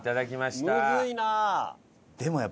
むずいな。